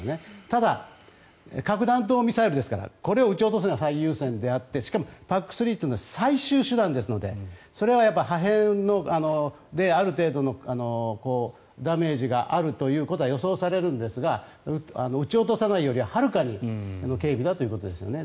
ただ、核弾頭ミサイルですからこれを撃ち落とすのが最優先であってしかもＰＡＣ３というのは最終手段ですのでそれは破片である程度のダメージがあるということは予想されるんですが撃ち落とさないよりははるかに軽微だということですね。